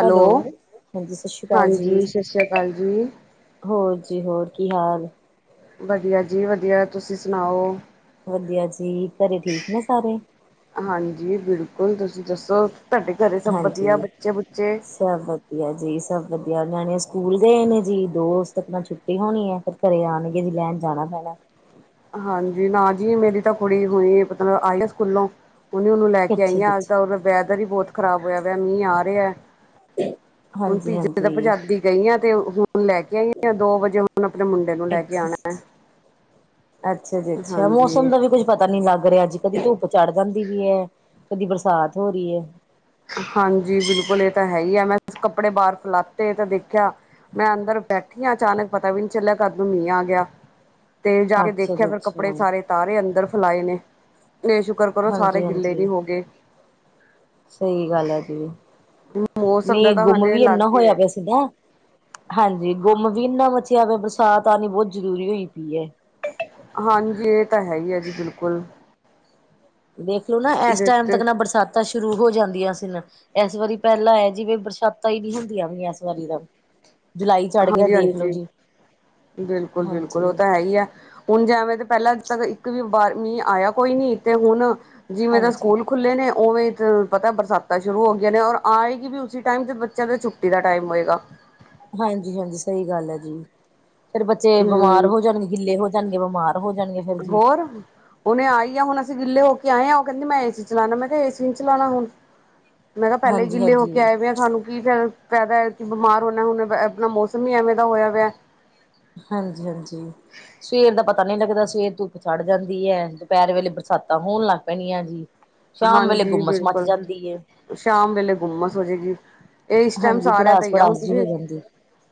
Hello, ਹਾਂਜੀ ਸਤਿ ਸ਼੍ਰੀ ਅਕਾਲ ਹਾਂਜੀ ਜੀ। ਸਤਿ ਸ਼੍ਰੀ ਅਕਾਲ ਜੀ ਹੋਰ ਜੀ ਹੋਰ ਕੀ ਹਾਲ। ਵਧੀਆਂ ਜੀ ਵਧੀਆਂ ਤੁਸੀਂ ਸੁਣਾਓ। ਵਧੀਆਂ ਜੀ, ਘਰੇ ਠੀਕ ਨੇ ਸਾਰੇ ਹਾਂਜੀ ਬਿਲਕੁਲ, ਤੁਸੀਂ ਦੱਸੋ ਤੁਹਾਡੇ ਘਰੇਂ ਸਭ ਵਧੀਆਂ ਹਾਂਜੀ ਬੱਚੇ ਬੁੱਚੇ। ਸਭ ਵਧੀਆਂ ਜੀ ਸਭ ਵਧੀਆਂ ਨਿਆਣੇਂ ਸਕੂਲ਼ ਗਏ ਨੇ ਜੀ, ਦੋਸਤ ਨਾਲ ਛੁੱਟ ਛੁੱਟੀ ਹੋਣੀ ਐ, ਫ਼ਿਰ ਘਰੇਂ ਆਣਗੇ ਜੀ ਲੈਣ ਜਾਣਾਂ ਪੈਣਾ। ਹਾਂਜੀ ਨਾ ਜੀ ਮੇਰੀ ਤਾਂ ਕੁੜੀ ਹੋਣੀ ਮਤਲਬ ਆਈ ਐ ਸਕੂਲੋਂ ਹੁਣੇ ਉਹਨੂੰ ਲੈ ਕੇ ਅੱਛਾ ਆਈ ਜੀ ਆ, ਅੱਜ ਦਾ ਅੱਛਾ ਓਦਾ ਵੈਦਰ ਹੀ ਬਹੁਤ ਖਰਾਬ ਹੋਇਆ ਵਿਆ ਮੀਂਹ ਆ ਰਿਆ। ਹੁਣ ਹਾਂਜੀ ਪੀਜ਼ੇ ਦਾ ਹਾਂਜੀ ਪੰਜਾਦੀ ਗਈ ਆਂ ਤੇ ਹੁਣ ਲੈ ਕੇ ਆਈ ਆਂ, ਦੋ ਵਜੇ ਹੁਣ ਆਪਣੇ ਮੁੰਡੇ ਨੂੰ ਲੈ ਕੇ ਅੱਛਾ ਆਣਾ ਐ। ਜੀ ਅੱਛਾ ਜੀ ਅੱਛਾ ਮੌਸਮ ਹਾਂਜੀ ਦਾ ਵੀ ਕੁੱਝ ਪਤਾ ਨੀ ਲੱਗ ਰਿਆ ਅੱਜ ਕਦੀ ਧੁੱਪ ਚੜ ਜਾਂਦੀ ਵੀ ਆ। ਕਦੀ ਬਰਸਾਤ ਹੋ ਰੀ ਐ। ਹਾਂਜੀ ਬਿਲਕੁਲ ਇਹ ਤਾਂ ਹੈ ਈ ਆ, ਮੈਂ ਕੱਪੜੇ ਬਾਹਰ ਫਲਾਤੇ ਤਾਂ ਦੇਖਿਆਂ ਮੈਂ ਅੰਦਰ ਬੈਠੀ ਆ, ਅਚਾਨਕ ਪਤਾ ਵੀ ਨੀ ਚੱਲਿਆ ਕਦ ਨੂੰ ਮੀਂਹ ਆ ਗਿਆਂ। ਤੇ ਜਾ ਕੇ ਅੱਛਾ ਜੀ ਦੇਖਿਆਂ ਫੇਰ ਅੱਛਾ ਕੱਪੜੇ ਸਾਰੇ ਤਾਰੇ ਅੰਦਰ ਫਲਾਏ ਨੇ, ਤੇ ਸ਼ੁਕਰ ਕਰੋ ਸਾਰੇ ਹਾਂਜੀ ਗਿੱਲੇ ਹਾਂਜੀ ਨੀ ਹੋ ਗੇ। ਸਹੀ ਗੱਲ ਐ ਜੀ, ਮੌਸਮ ਦਾ ਨਹੀਂ ਤਾਂ ਗੁੰਮ ਹਜੇ ਵੀ ਲੱਗ ਏਨਾਂ ਹੀ ਹੋਇਆ ਰਿਹਾ ਪਿਆ ਸੀਗਾ। ਹਾਂਜੀ ਗੁੰਮ ਵੀ ਇੰਨਾ ਮਚਿਆ ਪਿਆ ਬਰਸਾਤ ਆਣੀ ਬਹੁਤ ਜ਼ਰੂਰੀ ਹੋਈ ਪਈ ਐ ਹਾਂਜੀ ਇਹ ਤਾਂ ਹੈ ਈ ਆ ਜੀ ਬਿਲਕੁਲ ਦੇਖਲੋ ਨਾ ਐਸ ਇਹਦੇ ਟੈਮ ਤੱਕ ਤੇ ਨਾ ਬਰਸਾਤ -ਤਾਂ ਸ਼ੁਰੂ ਹੋ ਜਾਂਦੀਆਂ ਸੀ ਨਾ, ਇਸ ਵਾਰੀ ਪਹਿਲਾਂ ਐ, ਜਿਵੇਂ ਬਰਸਾਤਾਂ ਹੀ ਨੀ ਹੁੰਦੀਆਂ ਪਈਆ ਇਸ ਵਾਰੀ ਤਾਂ ਜੁਲਾਈ ਚੜ੍ਹ ਗਿਆ ਹਾਂਜੀ- ਦੇਖਲੋ ਹਾਂਜੀ ਜੀ ਬਿਲਕੁਲ- ਬਿਲਕੁਲ ਹਾਂਜੀ ਉਹ ਤਾਂ ਹੈ ਈ ਆ। ਹੁਣ ਜੈਵੇਂ ਤੇ ਪਹਿਲਾਂ ਤੱਕ ਇੱਕ ਵੀ ਬਾਰ ਮੀਹ ਆਇਆ ਕੋਈ ਨੀ, ਤੇ ਹੁਣ ਜਿਵੇਂ ਦਾ ਹਾਂਜੀ ਸਕੂਲ ਖੁ ਖੁੱਲੇ ਨੇ ਉਵੇਂ ਤੇ ਪਤਾ ਬਰਸਾਤਾਂ ਸ਼ੁਰੂ ਹੋਗੀਆਂ ਨੇ ਔਰ ਆਏ ਗੀ ਵੀ ਉਸੀ ਟੈਮ ਤੇ ਬੱਚਿਆਂ ਦੇ ਛੁਟ ਟੀ ਦਾ ਟਾਇਮ ਹੋਏਗਾ। ਹਾਂਜੀ- ਹਾਂਜੀ ਸਹੀ ਗੱਲ ਐ ਜੀ, ਫੇਰ ਬੱਚੇ ਬਿਮਾਰ ਹੂੰ ਹੋ ਜਾਣਗੇ। ਗਿੱਲੇ ਹੋ ਜਾਂਣਗੇ, ਬਿਮਾਰ ਹੋ ਜਾਂਣਗੇ। ਹੋਰ। ਹੁਣੇ ਆਈ ਆ, ਹੁਣ ਅਸੀ ਗਿਲੇ ਹੋ ਕੇ ਆਏ ਆ ਉਹ ਕਹਿੰਦੀ ਮੈਂ ਏਸੀ ਚਲਾਣਾ ਮੈਂ ਕਿਹਾ ਏਸੀ ਨੀ ਚਲਾਣਾ ਹੁਣ ਮੈਂ ਕਿਹਾ ਪਹਿਲੇ ਹੀ ਹਾਂਜੀ ਗਿੱਲੇ ਹੋ ਕੇ ਹਾਂਜੀ ਆਏ ਵੇ ਆ ਤਹਾਨੂੰ ਕੀ ਫ ਫੈਦਾ ਐ ਕਿ ਬਿਮਾਰ ਹੋਣਾ ਹੁਣ ਆਪਣਾ ਮੌਸਮ ਹੀ ਐਵੇਂ ਦਾ ਹੋਇਆ ਪਿਆ ਹਾਂਜੀ- ਹਾਂਜੀ। ਸਵੇਰ ਦਾ ਪਤਾ ਨੀ ਲੱਗਦਾ, ਸਵੇਰ ਧੁੱਪ ਚੜ ਜਾਂਦੀ ਐ ਦੁਪਹਿਰ ਵੇਲੇ ਬਰਸਾਤਾਂ ਹੋਣ ਲੱਗ ਪੈਣੀਆਂ ਜੀ। ਸ਼ਾਮ ਵੇਲੇ ਹਾਂਜੀ ਗੁੰਮਸ ਮੱਚ ਬਿਲਕੁਲ ਜਾਂਦੀ ਏ ਸ਼ਾਮ ਵੇਲੇ ਗੁੰਮਸ ਹੋਜੇਗੀ। ਇਹ ਇਸ ਟੈਮ ਹਾਂਜੀ ਸਾਰਿਆਂ ਦਾ ਪੜਾਸ ਈ ਆ, ਹੁਣ ਪੜਾਸ ਜੀ ਹੋ ਤੁਸੀਂ ਜਾਂਦੀ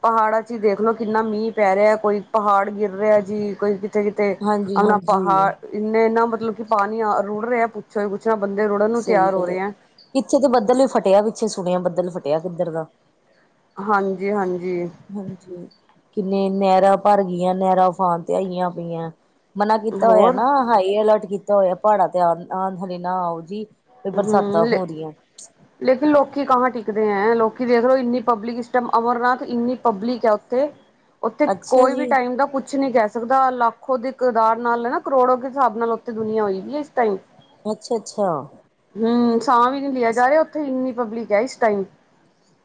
ਪਹਾੜਾਂ ਚ ਹੀ ਦੇਖਲੋ ਕਿੰਨਾ ਮੀਂਹ ਪੈ ਰਿਆ, ਕੋਈ ਪਹਾੜ ਗਿਰ ਰਿਆ ਜੀ ਕੋਈ ਕਿਤੇ- ਕਿਤੇ ਹਾਂਜੀ ਆਪਣਾਂ ਹਾਂਜੀ ਪਹਾੜ ਇੰਨੇ ਏਨਾ ਮਤਲਬ ਕਿ ਪਾਣੀ ਆ ਰੁੜ ਰਿਆ ਪੁੱਛੋ ਈ ਕੁੱਛ ਨਾ ਬੰਦੇ ਰੁੜਨ ਨੂੰ ਤਿਆਰ ਹੋ ਰੇ ਐ ਪਿੱਛੇ ਤੇ ਬੱਦਲ ਵੀ ਫਟਿਆ, ਪਿੱਛੇ ਸੁਣਿਆ ਬੱਦਲ ਫਟਿਆ ਕਿੱਧਰ ਦਾ ਹਾਂਜੀ -ਹਾਂਜੀ। ਹਾਂਜੀ ਕਿੰਨੇ ਨਹਿਰਾਂ ਭਰ ਗੀਆਂ, ਨਹਿਰਾਂ ਉਫਾਨ ਤੇ ਆਈਆਂ ਪਈਆਂ ਮਨਾ ਕੀਤਾ ਹੋਇਆ ਹੋਰ ਨਾ ਹਾਈ ਅਲਟ ਕੀਤਾ ਹੋਇਆ ਪਹਾੜਾਂ ਤੇ ਆ ਨਾ ਆਓ ਜੀ। ਤੇ ਬਰਸਾਤਾਂ ਹੋਦੀਆਂ। ਹ [inaudible] ਲੇਕਿਨ ਲੋਕ ਕਾਂਹ ਟਿਕਦੇ ਹੈਂ ਲੋਕਂ ਦੇਖ ਲਓ ਇੰਨੀ ਪਬਲਿਕ ਸਿਸਟਮ ਅਮਰਨਾਥ ਇੰਨੀ ਪਬਲਿਕ ਹੈ ਉੱਥੇ ਉੱਥੇ ਅੱਛਾ ਕੋਈ ਵੀ ਜੀ ਟਾਈਮ ਦਾ ਕੁਛ ਨੀ ਕਹਿ ਦਾ ਲਾੱਖੋ ਦੇ ਕਿਦਾਰ ਨਾਲ ਹਨ ਨਾ ਕਰੋੜੋ ਦੇ ਹਿਸਾਬ ਨਾਲ ਉੱਥੇ ਦੁਨੀਆਂ ਹੋਈ ਵੀ ਹੈ ਇਸ ਟਾਈਮ ਅੱਛਾ - ਅੱਛਾ। ਹੂੰ ਸਾਹ ਵੀ ਨੀ ਲਿਆ ਜਾ ਰਿਹਾ ਉੱਥੇ ਇੰਨੀ ਪਬਲਿਕ ਹੈ ਇਸ ਟਾਈਮ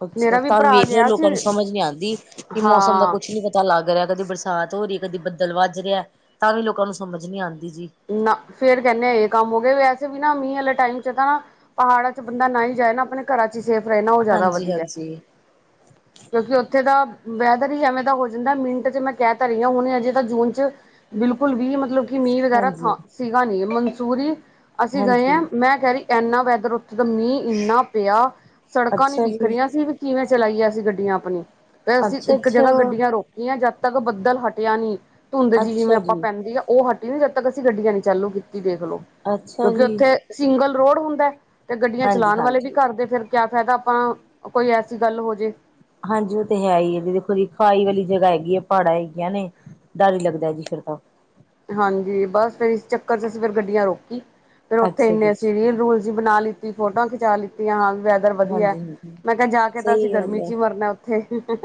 ਅੱਛਾ ਮੇਰਾ ਵੀ ਤਾਂਹ ਭਰਾ ਵੇਖ ਲਓ ਗਿਆ ਲੋਕਾਂ ਸੀ ਨੂੰ ਸਮਝ ਨੀ ਆਉਂਦੀ ਕਿ ਮੌਸਮ ਦਾ ਹਾਂ ਕੁਛ ਨੀ ਪਤਾ ਪੱਤਾ ਲੱਗ ਰਿਹਾ ਕਦੀ ਬਰਸਾਤ ਹੋ ਰਹੀ ਹੈ ਕਦੀ ਬੱਦਲ ਵੱਜ ਰਿਹਾ ਤਾਂ ਵੀ ਲੋਕਾਂ ਨੂੰ ਸਮਝ ਨੀ ਆਉਂਦੀ ਜੀ। ਨਾ ਫੇਰ ਕਹਿੰਦੇੇ ਇਹ ਕੰਮ ਹੋ ਗਏ ਵੈਸੇ ਵੀ ਊਨ ਵਾਲੇ ਟਾਈਮ ਚ ਨਾ ਪਹਾੜਾਂ ਚ ਬੰਦਾ ਨਾ ਹੀ ਜਾਏ ਨਾ ਆਪਣੇ ਘਰਾਂ ਚ ਹੀ ਸੇਫ ਰਹੇ ਨਾ ਉਹ ਜ਼ਿਆਦਾ ਹਾਂਜੀ ਵਧੀਆ ਹਾਂਜੀ ਕਿਉਂਕਿ ਉੱਥੇ ਦਾ ਵੈਦਰ ਹੀ ਐਵੇਂ ਦਾ ਹੋ ਜਾਂਦਾ ਮਿੰਟ ਚ ਮੈਂ ਕਹਿ ਤਾਂ ਰਹੀ ਹਾਂ ਹੁਣ ਅਜੇ ਤਾਂ ਜੂਨ ਚ ਬਿਲਕੁਲ ਵੀ ਮਤਲਬ ਕਿ ਮੀਂਹ ਵਗੈਰਾ ਥਾਂ ਹਾਂਜੀ ਸੀਗਾ ਨਹੀਂ ਮਨਸੂਰੀ ਅਸੀਂ ਗਏ ਹ ਹਾਂਜੀ ਮੈਂ ਕਹਿ ਰਹੀ। ਇੰਨਾ ਵੈਦਰ ਉੱਥੇ ਦਾ ਮੀਂਹ ਇੰਨਾ ਪਿਆ ਸੜਕਾਂ ਨੀ ਅੱਛਾ ਜੀ ਵਿਖਰੀਆਂ ਸੀ। ਕਿਵੇਂ ਚਲਾਈਏ ਅਸੀਂ ਗੱਡੀਆਂ ਆਪਣੀ ਫੇਰ ਅਸੀਂ ਅੱਛਾ ਇੱਕ ਜਗ੍ਹਾ ਅੱਛਾ ਗੱਡੀਆਂ ਰੋਕ ਜਦ ਤੱਕ ਬੱਦਲ ਹਟਿਆ ਨੀ ਧੁੰਦ ਜੀ ਜਿਵੇਂ ਆਪਾਂ ਪੈਂਦੀ ਆ ਉਹ ਹਟੀ ਨੀ ਜਦ ਤੇ ਅਸੀਂ ਗੱਡੀਆਂ ਨੀ ਚਾਲੂ ਕੀਤੀ ਦੇਖਲੋ ਅੱਛਾ ਕਿਉਂਕਿ ਜੀ ਉੱਥੇ ਸਿੰਗਲ ਰੋਡ ਹੁੰਦਾ। ਤੇ ਗੱਡੀਆਂ ਹਾਂਜੀ ਚਲਾਉਣ ਵਾਲੇ ਵੀ ਹਾਂਜੀ ਕਰਦੇ ਫਿਰ ਕਿਆ ਫਾਇਦਾ ਆਪਾਂ ਕੋਈ ਐਸੀ ਗੱਲ ਹੋ ਜੇ ਹਾਂਜੀ ਉਹ ਤੇ ਹੈ ਹੀ ਹੈ ਦੇਖੋ ਜੀ ਖਾਈ ਵਾਲੀ ਜਗ੍ਹਾ ਹੈਗੀ ਹੈ ਪਹਾੜਾਂ ਹੈਗੀਆਂ ਨੇ ਡਰ ਹੀ ਲੱਗਦਾ ਜੀ ਫਿਰ ਤਾਂ ਹਾਂਜੀ ਬਸ ਫੇਰ ਇਸ ਚੱਕਰ ਚ ਅਸੀਂ ਫਿਰ ਗੱਡੀਆਂ ਰੋਕੀ ਫੇਰ ਉੱਥੇ ਅੱਛਾ ਜੀ ਇੰਨੇ ਅਸੀਂ ਅੱਛਾ, ਰੀਅਲ ਰੂਲ ਬਣਾ ਲਿੱਤੀ ਫੋਟੋਆਂ ਖਿਚਾ ਲਿੱਤੀਆਂ। ਵਧੀਆ ਹਾਂਜੀ ਹਾਂਜੀ ਮੈਂ ਕਿਹਾ ਜਾ ਕੇ ਤਾਂ ਅਸੀਂ ਸਹੀ ਗੱਲ ਗਰਮੀ ਚ ਹੈ ਹੀ ਮਰਨਾ ਉੱਥੇ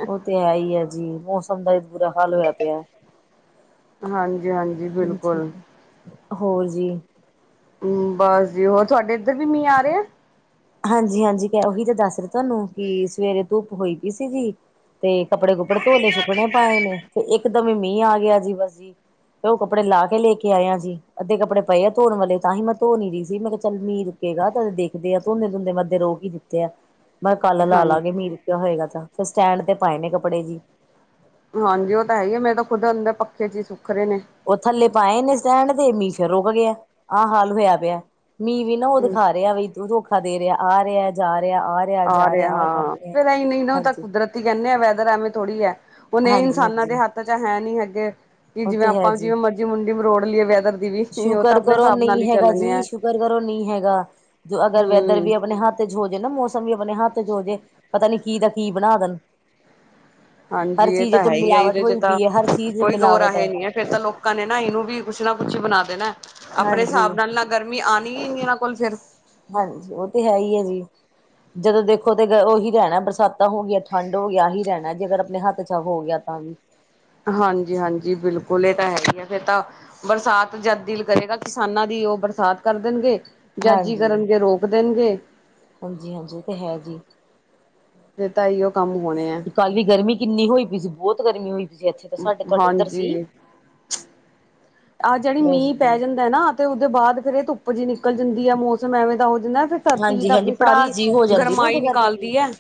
ਉਹ ਤੇ ਆ ਹੀ ਹੈ ਜੀ ਮੌਸਮ ਦਾ ਇਹ ਬੁਰਾ ਹਾਲ ਹੋਇਆ ਪਿਆ ਹਾਂਜੀ - ਹਾਂਜੀ। ਹਾਂਜੀ ਬਿਲਕੁਲ ਹੋਰ ਜੀ। ਬਸ ਜੀ ਹੋਰ ਤੁਹਾਡੇ ਇੱਧਰ ਵੀ ਮੀਂਹ ਆ ਰਹੇ ਆ ਹਾਂਜੀ - ਹਾਂਜੀ ਉਹੀ ਤਾਂ ਦੱਸ ਰਿਹੇ ਤੁਹਾਨੂੰ ਕਿ ਸਵੇਰੇ ਧੁੱਪ ਹੋਈ ਪਈ ਸੀ ਜੀ। ਤੇ ਕੱਪੜੇ - ਕੁਪੜੇ ਧੋਲੇ ਸੁੱਕਣੇ ਪਾਏ ਨੇ ਤੇ ਇੱਕਦਮ ਮੀਂਹ ਆ ਗਿਆ ਜੀ ਬਸ ਜੀ। ਤੇ ਉਹ ਕੱਪੜੇ ਲਾ ਕੇ ਲੈ ਕੇ ਆਇਆ ਸੀ ਅੱਧੇ ਕੱਪੜੇ ਪਏ ਆ ਧੋਣ ਵਾਲੇ ਤਾਂਹੀ ਮੈਂ ਧੋ ਨੀ ਰਹੀ ਸੀ ਮੈਂ ਕਿਹਾ ਚੱਲ ਮੀਂਹ ਦੇਖਦੇ ਆ ਤੂੰਨੇ ਤੁੰਦੇ ਮੈਂ ਅੱਧੇ ਰੋਕ ਹੀ ਦਿੱਤੇ ਆ ਮੈਂ ਕੱਲ ਲਾ ਹਾਂਜੀ ਲਾਗੇ ਮੀਂਹ ਹੋਏਗਾ ਤਾਂ ਫਿਰ ਸਟੈਂਡ ਤੇ ਪਾਏ ਨੇ ਕੱਪੜੇ ਜੀ। ਹਾਂਜੀ ਉਹ ਤਾਂ ਹੈ ਹੀ ਹੈ ਮੇ ਤਾਂ ਖੁਦ ਅੰਦਰ ਪੱਖੇ ਚ ਹੀ ਸੁੱਖ ਰਹੇ ਨੇ ਉਹ ਥੱਲੇ ਪਾਏ ਨੇ ਸਟੈਂਡ ਤੇ ਮੀਸ਼ਿਰ ਰੁਕ ਗਿਆ ਆਹ ਹਾਲ ਹੋਇਆ ਪਿਆ। ਮੀਂਹ ਵੀ ਨਾ ਉਹ ਦਿਖਾ ਰਿਹਾ ਵੀ ਤੂੰ ਧੋਖਾ ਦੇ ਰਿਹਾ ਆ ਰਿਹਾ ਜਾ ਰਿਹਾ ਆ। ਆ ਜਾ ਰਿਹਾ ਆਹ ਕੰਮ ਰਿਹਾ। ਹਾਂ ਨਹੀਂ ਨਾ ਤਾਂ ਹਾਂਜੀ, ਕੁਦਰਤ ਕਹਿੰਦੇ ਆ ਵੈਦਰ ਐਵੇਂ ਥੋੜ੍ਹੀ ਹੈ ਉਹਨੇ ਹਾਂਜੀ, ਇਨਸਾਨਾਂ ਦੇ ਹਾਂਜੀ ਹੱਥ ਚ ਹੈ ਨੀ ਹੈਗੇ। ਕਿ ਉਹ ਜਿਵੇਂ ਤੇ ਹੈ ਆਪਾਂ ਜੀ। ਜਿਵੇਂ ਮਰਜ਼ੀ ਮੁੰਡੀ ਮਰੋੜ ਲਈਏ ਵੈਦਰ ਦੀ ਵੀ ਉਹ ਤਾਂ ਸ਼ੁਕਰ ਆਪਣੇ ਕਰੋ ਹਿਸਾਬ ਨਾਲ ਨਹੀਂ ਹੀ ਹੈਗਾ ਚੱਲਣੇ ਜੀ ਆ ਸ਼ੁਕਰ ਕਰੋ ਨਹੀਂ ਹੈਗਾ ਅਗਰ ਵੈਦਰ ਹਮ ਵੀ ਆਪਣੇ ਹੱਥ ਸੋਚਦੇ ਮੌਸਮ ਵੀ ਆਪਣੇ ਹੱਥ ਚ ਹੋ ਜੇ ਪਤਾ ਨੀ ਕੀ ਦਾ ਕੀ ਬਣਾ ਦੇਣ ਹਰ ਹਾਂਜੀ ਇਹ ਚੀਜ਼ ਤਾਂ ਤੋਂ ਹੈ ਹੀ ਆ ਮਿਲਾਵਟ ਇਹਦੇ ਚ ਹੋਈ ਤਾਂ ਪਈ ਹੈ ਹਰ ਚੀਜ਼ ਕੋਈ ਦੋ ਮਿਲਾਵਟ ਰਾਹੇ ਹੈ। ਨੀ ਫੇਰ ਤਾਂ ਲੋਕਾਂ ਨੇ ਨਾ ਇਹਨੂੰ ਵੀ ਕੁਛ ਨਾ ਕੁਛ ਬਣਾ ਦੇਣਾ ਆਪਣੇ ਹਿਸਾਬ ਹਾਂਜੀ। ਨਾਲ ਨਾ ਗਰਮੀ ਆਉ ਹੀ ਨਹੀਂ ਉਹਨਾਂ ਕੋਲ ਫੇਰ। ਹਾਂਜੀ ਉਹ ਤੇ, ਹੈ ਹੀ ਹੈ ਜੀ ਜਦੋਂ ਦੇਖੋ ਤੇ, ਉਹੀ ਰਹਿਣਾ ਬਰਸਾਤਾਂ ਹੋ, ਗਈਆਂ ਠੰਡ ਹੋ ਗਿਆ ਹੀ ਰਹਿਣਾ ਜੇ, ਕਰ ਆਪਣੇ ਹੱਥ ਚ ਹੋ ਗਿਆ ਤਾਂ ਹਾਂਜੀ-ਹਾਂਜੀ ਬਿਲਕੁਲ ਇਹ ਤਾਂ, ਹੈਗੀ ਆ ਫਿਰ ਤਾਂ ਬਰਸਾਤ ਜਦ ਦਿਲ ਕਰੇਗਾ। ਕਿਸਾਨਾਂ ਦੀ ਉਹ ਬਰਸਾਤ ਕਰ ਦੇਣਗੇ! ਜਦ ਜੀ, ਕਰਨਗੇ ਰੋਕ ਦੇਣਗੇ ਹਾਂਜੀ-ਹਾਂਜੀ ਤਾਂ ਹੈ ਜੀ। ਫੇਰ ਤਾਂ, ਅਹੀਓ ਕੰਮ ਹੋਣੇ ਆ। ਕੱਲ ਵੀ ਗਰਮੀ ਕਿੰਨੀ ਹੋਈ ਪਈ ਸੀ, ਬਹੁਤ ਗਰਮੀ ਹੋਈ ਪਈ ਸੀ। ਇੱਥੇ ਤਾਂਸਾਡੇ ਤੁਹਾਡੇ ਉੱਧਰ ਸੀ? ਹਾਂਜੀ ਆਹ ਜਿਹੜੀ ਬਸ ਮੀਂਹ ਪੈ ਜੀ ਜਾਂਦਾ ਨਾ, ਤੇ ਉਹਦੇ ਬਾਅਦ ਫੇਰ ਇਹ ਧੁੱਪ ਜਿਹੀ ਨਿਕਲ ਜਾਂਦੀ ਆ। ਮੌਸਮ ਐਵੇਂ ਤਾਂ ਹੋ, ਜਾਂਦਾ ਫਿਰ ਵੀ, ਤੁਸੀਂ ਹਾਂਜੀ ਹਾਂਜੀ ਆਪਣੀ ਸਾਰੀ ਪੜਾਸ ਜੀ ਹੋ ਜਾਂਦੀ ਨਾ ਉਹਦੇ ਗਰਮਾਈ ਕਰਕੇ ਜੀ ਨਿਕਾਲਦੀ ਹੈ।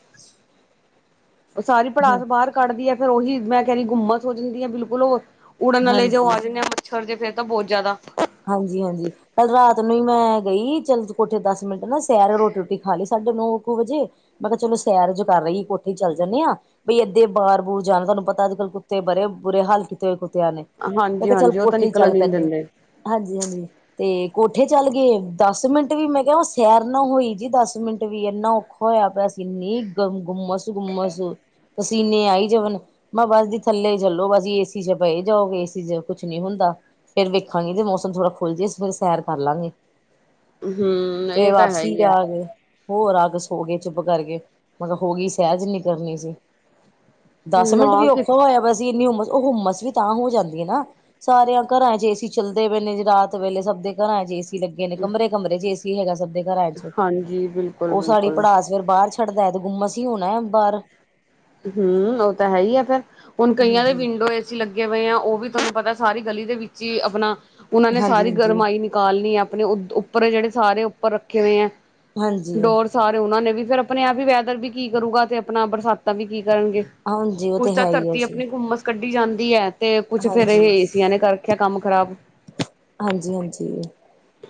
ਉਹ ਸਾਰੀ ਪੜਾਸ ਬਾਹਰ ਕੱਢਦੀ ਹੈ, ਫੇਰ ਉਹੀ ਮੈਂ ਕਹਿਣੀ ਗੁੱਮਸ ਹੋ ਜਾਂਦੀ ਆ। ਬਿਲਕੁਲ ਉਹ ਉੜਨ ਨਾਲੇ ਜੇ ਹਾਂਜੀ ਆ ਜਾਂਦੇ ਆ। ਮੱਛਰ ਜੇ, ਫੇਰ ਤਾਂ ਬਹੁਤ ਜ਼ਿਆਦਾ ਹਾਂਜੀ-ਹਾਂਜੀ ਕੱਲ ਰਾਤ ਨੂੰ ਹੀ ਮੈਂ, ਗਈ ਚੱਲ ਕੋਠੇ ਦਸ ਮਿੰਟ ਨਾ, ਸੈਰ ਰੋਟੀ-ਰੋਟੀ ਖਾ ਲਈ ਸੀ। ਸਾਢੇ ਨੋ ਇੱਕ ਵਜੇ, ਮੈਂ ਕਿਹਾ ਚਲੋ ਸੈਰ ਜੋ, ਕਰ ਆਈਏ ਕੋਠੇ ਚੱਲ ਜਾਨੇਆ। ਬਈ, ਏਦੇ ਬਾਰ-ਬੂਰ ਜਾਣ ਤੁਹਾਨੂੰ ਪਤਾ ਅੱਜ-ਕੱਲ੍ਹ ਕੁੱਤੇ ਬੜੇ ਬੁਰੇ ਹਾਲ ਕਿਤੇ ਹੋਏ ਕੁੱਤੇ ਆਂ ਨੇ। ਮੈਂ ਹਾਂਜੀ ਕਿਹਾ ਚੱਲ ਹਾਂਜੀ ਉਹ ਤਾਂ ਕੋਠੇ ਚੱਲ ਨਿਕਲਣ ਹੀ ਨੀ ਪੈਣੇਆ, ਦਿੰਦੇ ਹਾਂਜੀ-ਹਾਂਜੀ। ਤੇ ਕੋਠੇ ਚੱਲ ਗਏ। ਦਸ ਮਿੰਟ ਵੀ ਮੈਂ, ਕਿਹਾ ਸੈਰ ਨਾ ਹੋਈ ਜੀ, ਦਸ ਮਿੰਟ ਵੀ ਇੰਨਾ ਔਖਾ ਹੋਇਆ ਪਿਆ ਸੀ। ਇਨੀ ਗ ਗੁੰਮਸ-ਗੁੰਮਸ ਪਸੀਨੇ ਆਈ ਜਾਨ। ਮੈਂ ਬਸ ਜੀ ਥੱਲੇ ਚੱਲੋ। ਬਸ, ਏਸੀ'ਚ, ਪਏ ਜਾਓ ਏਸੀ' ਚ, ਕੁਛ ਨੀ ਹੁੰਦਾ। ਫੇਰ ਵੇਖਾਂਗੇ, ਤੇ ਮ ਮੌਸਮ ਥੋੜ੍ਹਾ ਖੁੱਲ੍ਹ ਜਏ, ਅਸੀਂ ਫਿਰ ਸੈਰ ਕਰ ਲਾਂਗੇ। ਹਮ ਫੇ ਇਹ ਤਾਂ ਹੈ ਵਾਪਸੀ ਹੀ ਹੈ ਆ ਗਏ। ਹੋਰ ਆ ਕੇ ਸੌ ਗਏ ਚੁੱਪ ਕਰਕੇ। ਮੈਂ ਕਿਹਾ ਹੋ ਗਈ ਸੈਰ ਜੀਨੀ ਕਰਨੀ ਸੀ। ਦਸ ਮਿੰਟ ਨਾ ਵੀ ਕਿ ਔਖਾ ਹੋਇਆ ਪਇਆ ਸੀ। ਇੰਨੀ ਉਮ ਹੁੱਮਸ - ਵੀ, ਤਾਂ ਹੋ ਜਾਂਦੀਆਂ ਨਾ ਸਾਰਿਆਂ ਘਰਾਂ'ਚ, ਏਸੀ ਚੱਲਦੇ ਪਏ ਨੇ ਰਾਤ ਵੇਲੇ ਸਭ ਦੇ ਘਰਾਂ'ਚ ਏ, ਲੱਗੇ ਨੇ ਕਮਰੇ-ਕਮਰੇ 'ਚ, ਏਸੀ ਹੈਗਾ, ਸਭ ਦੇ ਘਰਾਂ'ਚ ਹਾਂਜੀ ਬਿਲਕੁਲ ਉਹ ਸਾੜੀ ਬਿਲਕੁਲ ਪੜਾਸ ਫਿਰ ਬਾਹਰ ਛੱਡਦਾ ਹੈ ਤੇ, ਗੁੰਮਸ ਹੀ ਹੋਣਾ ਬਾਹਰ। ਹੂ, ਉਹ ਤਾਂ ਹੈ ਹੀ ਆ ਫੇਰ ਹੁਣ ਕਈਆਂ ਦੇ ਹਾਂਜੀ ਵਿੰਡੋ ਏਸੀ ਲੱਗੇ ਹੋਏ ਆ, ਉਹ ਵੀ ਤੁਹਾਨੂੰ ਪਤਾ ਸਾਰੀ ਗਲੀ ਦੇ, ਵਿੱਚ ਹੀ ਆਪਣਾ ਉਹਨਾਂ ਨੇ ਹਾਂਜੀ ਸਾਰੀ ਹਾਂਜੀ ਗਰਮਾਈ ਨ ਕਾਲਨੀ ਆਪਣੇ। ਉੱਪਰ ਜਿਹੜੇ ਸਾਰੇ ਉੱਪਰ ਰੱਖੇ ਹੋਏ ਹੈ ਹਾਂਜੀ ਡੋਰ ਸਾਰੇ ਉਹਨਾਂ ਨੇ, ਵੀ ਫਿਰ ਆਪਣੇ ਆਪ ਹੀ ਵੈਦਰ ਵੀ, ਕੀ ਕਰੂਗਾ ਤੇ, ਆਪਣਾ ਬਰਸਾਤਾਂ ਵੀ ਕੀ ਕਰਨਗੇ। ਹਾਂਜੀ ਉਹ ਕੁੱਛ ਤੇ ਤਾ ਹੈ ਹੀ ਹੈ ਧਰਤੀ ਜੀ ਆਪਣੀ ਗੂਮਸ ਕੱਢੀ ਜਾਂਦੀ ਹੈ। ਤੇ ਕੁਛ ਫੇਰ ਇਹ ਹਾਂਜੀ ਏਸੀਆਂ ਨੇ, ਕਰ ਰਖਿਆ ਕੰਮ ਖਰਾਬ। ਹਾਂਜੀ ਹਾਂਜੀ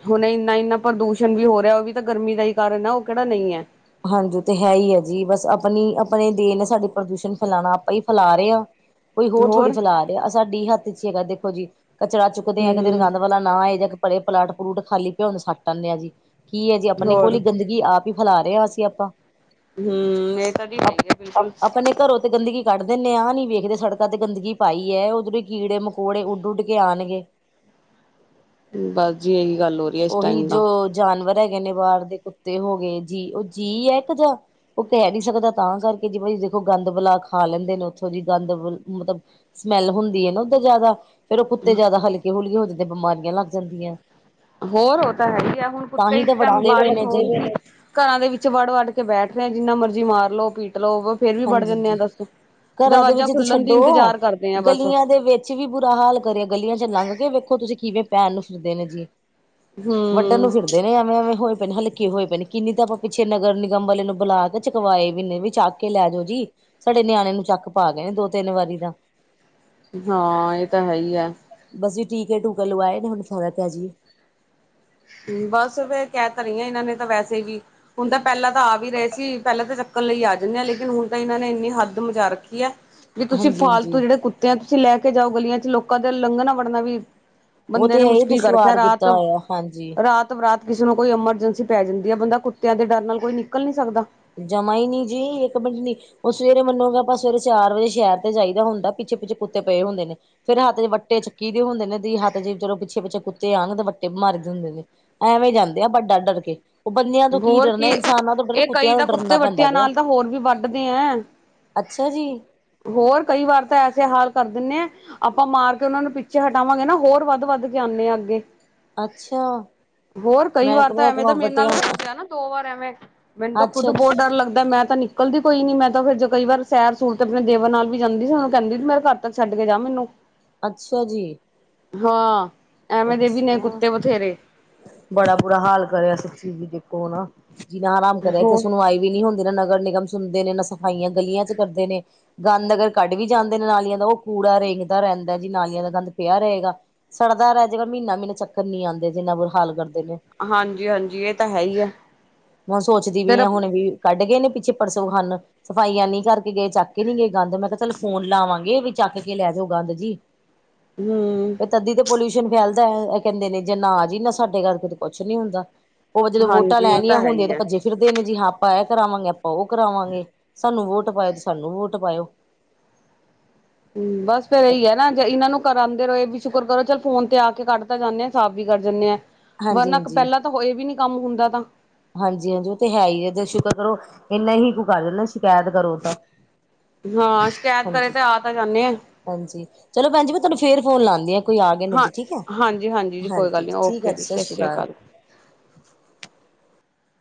ਹੁਣ ਇੰਨਾ-ਇੰਨਾ ਪ੍ਰਦੂਸ਼ਣ ਵੀ ਹੋ ਰਿਹਾ, ਉਹ ਵੀ ਤਾਂ ਗਰਮੀ ਦਾ ਹੀ ਕਾਰਨ ਹੈ, ਉਹ ਕਿਹੜਾ ਨਹੀਂ ਹੈ। ਹਾਂਜੀ, ਉਹ ਤੇ ਹੈ ਹੀ ਆ ਜੀ ਬਸ, ਆਪਣੀ ਆਪਣੇ ਦੇਨ ਆ ਪ੍ਰਦੂਸ਼ਣ ਫੈਲਾਣਾ, ਆਪਾਂ ਹੀ ਫੈਲਾ ਰਹੇਆ। ਕੋਈ ਹੋਰ ਥੋੜੀ ਫੈਲਾ ਰਿਹਾ। ਸਾਡੀ ਹੱਥ'ਚ ਹੈਗਾ ਦੇਖੋ ਜੀ। ਕਚੜਾ ਚੁੱਕਦੇ ਆ, ਇੱਕ ਦਿਨ ਗੰਦ ਹੂੰ ਵਾਲਾ ਨਾ ਆਏ ਜਾ ਪਰੇ ਪਲਾਟ-ਪਲੂਟ ਖਾਲੀ ਪਏ ਹੋਣ ਸੱਟ ਆਨੇ ਆ ਜੀ। ਕੀ ਹੈ ਜੀ? ਆਪਣੇ ਕੋਲ ਹੀ ਹੋਰ ਗੰਦਗੀ, ਆਪ ਹੀ ਫੈਲਾ ਰਹੇ ਅਸੀਂ ਆਪਾਂ। ਹੂ, ਇਹ ਤਾਂ ਜੀ ਸਹੀ ਆਪ ਨਹੀਂ ਆ ਕੱਮ ਆਪਣੇ ਘਰੋਂ ਤੇ ਗੰਦਗੀ ਕੱਢ ਦਿੰਦੇਆ, ਆਹ ਨੀ ਵੇਖਦੇ ਸੜਕਾਂ ਤੇ ਗੰਦਗੀ ਪਾਈਏ, ਉਹਦੋਂ ਹੀ ਕੀੜੇ, ਮਕੌੜੇ ਉੱਡ-ਉੱਡ ਕੇ ਆਉਣਗੇ। ਬਸ ਜੀ, ਇਹੀ ਗੱਲ ਹੋਰ ਉਹੀ ਜੋ ਜਾਨਵਰ ਹੈਗੇ ਨੇ ਬਾਹਰ ਦੇ ਕੁੱਤੇ ਹੋ ਗਏ ਜੀ, ਉਹ ਜੀਅ ਹੈ ਇੱਕ ਜਾਂ ਉਹ ਕਹਿ ਨੀ ਸਕਦਾ, ਤਾਂ ਕਰਕੇ ਜੇ ਭ ਦੇਖੋ ਗੰਦ ਬੁਲਾ ਖਾ ਲੈਂਦੇ ਨੇ ਉੱਥੋਂ ਜੀ ਗੰਦ ਮਤਲਬ ਸਮੈਲ ਹੁੰਦੀ ਹੈ ਨਾ ਉਹਦੇ ਜਿਆਦਾ ਫੇਰ ਉਹ ਕੁੱਤੇ ਜਿਆਦਾ ਹਲਕੇ-ਹੁਲਕੇ ਹੋ ਜਾਂਦੇਆ, ਬਿਮਾਰੀਆਂ ਲੱਗ ਜਾਂਦੀਆਂ। ਹੋਰ, ਉਹ ਤਾਂ ਹੈਗੀ ਆ ਹੁਣ ਤਾਂ ਕੁੱਤੇ ਹੀ ਤਾਂ ਵੱਢਦੇ ਪਏ ਬਾਰਿਸ਼ ਨੇ ਜੀ ਹੋਣ ਘਰਾਂ ਦੇ ਵਿੱਚ ਵੜ-ਵੜ ਕੇ ਬੈਠ ਰਏ, ਜਿੰਨਾ ਮਰਜੀ ਮਾਰ ਲੋੋ, ਪੀਟ ਲੋ ਵ ਫੇਰ ਵੀ ਵੜ ਹਾਂਜੀ ਜਾਨੇ ਆ ਜੀ ਦੱਸ, ਘਰਾਂ ਦੇ ਦਰਵਾਜ਼ਾ ਵਿੱਚ ਤੇ ਖੁੱਲਨ ਦੀ ਇੰਤਜ਼ਾਰ ਕਰਦੇ ਆ ਬਸ। ਚੀ ਵੀ ਬੁਰਾ ਹਾਲ ਕਰੇ। ਗਲੀਆਂ ਚ ਲੰਘ ਕੇ ਵੇਖੋ ਤੁਸੀਂ ਕਿਵੇਂ ਪੈਨ ਨੂੰ ਫਿਰਦੇ ਨੇ ਜੀ। ਵੱਡਨ ਨੂੰ ਹੂੰ ਫਿਰ ਦੇ ਨੇ ਐਵੇਂ-ਐਵੇਂ ਹੋਏ ਪਏ ਨੇ ਹਲਕੇ ਹੋਏ ਪਏ ਨੇ, ਕਿੰਨੇ ਤਾਂ ਆਪਾਂ ਪਿੱਛੇ ਨਗਰ-ਨਿਗਮ ਵਾਲੇ ਨੂੰ ਬੁਲਾ ਕੇ ਚਕਵਾਏ ਵੀ ਨੇ, ਵੀ ਚੱਕ ਕੇ ਲੈ ਜੋ ਜੀ। ਸਾਡੇ ਨਿਆਣੇ ਨੂੰ ਚੱਕ ਪਾ ਗਏ ਨੇ ਦੋ-ਤਿੰਨ ਵਾਰੀ ਦਾ। ਹਾਂ, ਏਹ ਤਾਂ ਹੈ ਹੀ ਆ। ਬਸ ਜੀ, ਟੀਕੇ-ਟੂਕੇ ਲਵਾਏ ਨੇ ਹੁਨ ਫਰਕ ਐ ਜੀ। ਬਸ, ਫੇਰ ਕੈ ਤਾਂ ਰਈ ਆਂ, ਏਨਾਂ ਨੇ ਤਾਂ ਵੈਸੇ ਵੀ- ਹੁਨ ਤਾਂ ਪੈਲਾਂ ਤਾਂ ਆ ਵੀ ਰਏ ਸੀ। ਪੈਲਾਂ ਤਾਂ ਚੱਕਣ ਲਈ ਆ ਜਾਂਨੇ ਹਾਂ ਲੇਕਿਨ ਹੁਨ ਤਾਂ ਏਨਾਂ ਨੇ ਇੰਨੀ ਹੱਦ ਮਚਾ ਰੱਖੀ ਐ ਵੀ ਤੁਸੀ ਹਾਂਜੀ ਫਾਲਤੂ ਹਾਂਜੀ ਜੇੜੇ ਕੁੱਤੇ ਆ ਤੁਸੀ ਲੈਕੇ ਜਾਓ ਗਲੀਆਂ ਚ ਲੋਕਾ ਦਾ ਲੰਘਨਾ- ਵੜਨਾ ਵੀ- ੳਹ ਬੰਦੇ ਤੇ ਨੇ ਹੈ ਈ। ਮੁਸ਼ਕਿਲ ਕਰ ਰੱਖਿਆ ਦੁਸ਼ਵਾਰ ਰਾਤ ਕੀਤਾ ਹੋਇਆ, ਹਾਂਜੀ। ਰਾਤ ਬਰਾਤ ਕਿਸੇ ਨੂੰ ਕੋਈ ਅਮਰਜੈਂਸੀ ਪੈ ਜਾਦੀ ਏ, ਬੰਦਾ ਕੁੱਤੇਆਂ ਦੇ ਡਰ ਨਾਲ ਕੋਈ ਨਿਕਲ ਨੀ ਸਕਦਾ। ਜਮਾ ਈ ਨੀ ਜੀ, ਇਕ ਮਿੰਟ ਨੀ ੳਹ ਸਵੇਰੇ ਮਨੋਗੇ ਆਪਾਂ ਸਵੇਰੇ ਚਾਰ ਵਜੇ ਸੈ਼ਰ ਤੇ ਜਾਈਦਾ ਹੁੰਦਾ, ਪਿੱਛੇ- ਪਿੱਛੇ ਕੁੱਤੇ ਪਏ ਹੁੰਦੇ ਨੇ। ਫੇਰ ਹੱਥ ਚ ਵੱਟੇ ਚੱਕੀ ਦੇ ਹੁੰਦੇ ਨੇ ਦੀ ਹੱਥ ਚ ਚਲੋ ਪਿੱਛੇ- ਪਿੱਛੇ ਕੁੱਤੇ ਆਨ ਤੇ ਵੱਟੇ ਮਾਰੀ ਦੇ ਹੁੰਦੇ ਨੇ। ਐਵੇਂ ਜਾਦੇ ਆਪਾਂ ਡਰ- ਡਰ ਕੇ ੳਹ ਬੰਦੇਆਂ ਤੋਂ ਕੀ ਡਰਨਾ ਇਨਸਾਨਾਂ ਤੋਂ ਡਰੇ, ਕੁ ਐਂਈ ਕੁੱਤੇ ਵੱਟੇਆਂ ਨਾਲ ਤਾਂ ਹੋਰ ਵੀ ਵੱਢਦੇ ਐਂ। ਅੱਛਾ ਜੀ ਹੋਰ ਕਈ ਵਾਰ ਤਾਂ ਐਸੇ ਹਾਲ ਕਰ ਦੇਨੇ ਏ ਆਪਾ ਮਾਰ ਕੇ ੳਨਾ ਨੂੰ ਪਿੱਛੇ ਹਟਾਵਾਂਗੇ ਨਾ ਹੋਰ ਵੱਧ-ਵੱਧ ਕੇ ਆਨੇ ਆ ਅੱਗੇ। ਅੱਛਾ ਹੋਰ ਕਈ ਮੈਂ ਵਾਰ ਤਾਂ ਐਵੇ ਕਿਹਾ ਦਾ ਮੇਰੇ ਨਾਲ ਵੱਟਿਆਂ ਹੋਆ ਨਾ ਦੋ ਵਾਰ ਐਵੇ। ਮੈਨੂੰ ਤਾਂ ਖੁੱਦ ਅੱਛਾ ਬੋਤ ਅੱਛਾ ਡਰ ਲੱਗਦਾ ਮੈ ਤਾਂ ਨੀ ਨਿਕਦੀ ਕੋਈ ਨੀ ਮੈ ਤਾਂ ਫੇਰ ਜ ਕਈ ਵਾਰ ਸੈਰ ਸੂਰ ਤੇ ਅਪਣੇ ਦੇਵਰ ਨਾਲ ਵੀ ਜਾਦੀ ਸੀ, ੳਨੂੰ ਕੈਂਦੀ ਸੀ ਮੇਰੇ ਘਰ ਤੱਕ ਛਡ ਕੇ ਜਾ ਮੈਨੂੰ। ਅਛਾ ਜੀ। ਹਾਂ ਐਵੇਂ ਦੇ ਵੀ ਨੇ ਅਛਾ, ਕੁੱਤੇ ਬਥੇਰੇ ਬੜਾ ਬੁਰਾ ਹਾਲ ਕਰੇਆ ਇਸ ਚੀਜ ਦੇਖੋ ਨਾ। ਜੀਨਾ ਹਰਾਮ ਕਰਿਆ। ਇਕ ੳ ਹੋਰ ਸੁਨਵਾਈ ਵੀ ਨੀ ਹੁੰਦੀ, ਨਾ ਨਗਰ ਨਿਗਮ ਸੁਨਦੇ ਨੇ, ਨਾ ਸਫਾਈਆਂ ਗਲੀਆਂਚ ਕਰਦੇ ਨੇ ਗੰਦ ਅਗਰ ਕੱਢ ਵੀ ਜਾਦੇ ਨੇ ਨਾਲੀਆਂ ਦਾ ੳਹ ਕੂੜਾ ਰੇਂਗਦਾ ਰੈਂਦਾ ਜੀ, ਨਾਲੀਆਂ ਦਾ ਗੰਦ ਪੈਆ ਰਏਗਾ। ਸੜਦਾ ਰੈ ਜੇਗਾ ਮੀਨਾ ਮੀਨਾ ਚੱਕਨ ਨੀ ਆਂਦੇ ਜਿਨਾ ਬੁਰਾ ਹਾਲ ਕਰਦੇ ਨੇ। ਹਾਂਜੀ-ਹਾਂਜੀ ਏ ਤਾਂ ਹੈਈ ਆ ਹੁਣ ਸੋਚਦੀ ਵੀ ਫੇਰ ਆ ਹੁਣ ਵੀ ਕੱਢ ਗਏ ਨੇ ਪਿੱਛੇ ਪਰਸੋ ਹਨ ਸਫਾਈਆਂ ਨੀ ਕਰਕੇ ਗਏ, ਚੱਕ ਕੇ ਨੀ ਗਏ ਗੰਦ। ਮੈ ਕਿਹਾ ਚੱਲ ਫੋਨ ਲਾਵਾਂਗੇ ਵੀ ਚੱਕ ਕੇ ਲੈ ਜੋ ਗੰਦ ਜੀ। ਹੂੰ ਇਹ ਤਦੀ ਤੇ ਪੋਲੂਸ਼ਨ ਫੈਲਦਾ, ਏਂ ਕਹਿਦੇ ਨੇ ਨਾ ਜੀ ਨਾ ਸਾਡੇ ਘਰ ਕਦੇ ਕੁਛ ਨੀ ਹੁੰਦਾ। ੳਹ ਜਦੋ ਵੋਟਾਂ ਹਾਂਜੀ ਉਹ ਲੈਨੀਆਂ ਤਾਂ ਹੈ ਹੁੰਦੀਆਂ ਹੀ ਤੇ ਹੈ ਭੱਜੇ ਫਿਰ ਦੇ ਨੇ ਜੀ ਹਾਂ ਆਪਾ ਇਹ ਕਰਾਵਾਂਗੇ, ਆਪਾ ੳਹ ਕਰਾਵਾਂਗੇ। ਸਾਨੂੰ ਵੋਟ ਪਾਏਓ ਜੀ ਸਾਨੂੰ ਵੋਟ ਪਾਏਓ। ਹੂੰ ਬਸ ਫੇਰ ਏਹੀ ਏ ਨਾ ਜੇ ਏਨਾ ਨੂੰ ਕਰਾਂਦੇ ਰਏ ਵੀ ਸ਼ੁਕਰ ਕਰੋ ਚੱਲ ਫੋਨ ਤੇ ਆ ਕੇ ਕੱਢ ਤਾਂ ਜਾਨੇ ਆ ਸਾਫ਼ ਵੀ ਕਰ ਜਾਨੇ ਆ, ਹਾਂਜੀ ਵਰਨਾ ਪੈਲਾ ਤਾਂ ਏ ਵੀ ਨੀ ਕਮ ਹੁੰਦਾ ਤਾਂ ਹਾਂਜੀ-ਹਾਂਜੀ ੳ ਤੇ ਹੈ ਈ ਏ, ਤੇ ਸੂਕਰ ਕਰੋ ਏਨਾ ਈ ਹੀ ਕੁ ਕਰ ਜਾਂਦੇ ਨੇ, ਸ਼ਿਕੈਤ ਕਰੋ ਤਾਂ। ਹਾਂ ਸ਼ਕੈਤ ਕਰੇ ਹਾਂਜੀ। ਤੇ ਆ ਤਾਂ ਜਾਨੇ ਏ। ਹਾਂਜੀ। ਚਲੋ ਭੈਣਜੀ, ਮੈਂ ਤਾਨੂੰ ਫੇਰ ਫੋਨ ਲਾਂਦੀ ਆ। ਕੋਈ ਆ ਗਏ ਨੇ ਹਾਂ ਜੀ, ਠੀਕ ਏ। ਹਾਂਜੀ ਜੀ ਕੋਈ ਗੱਲ ਹਾਂਜੀ ਨਹੀਂ ਠੀਕ ਓਕੇ ਏ ਜੀ। ਸਤਿ ਸ਼੍ਰੀ ਅਕਾਲ।